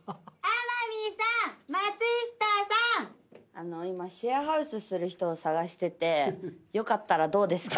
あの今シェアハウスする人を探しててよかったらどうですか？